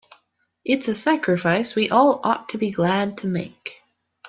It's a sacrifice we all ought to be glad to make.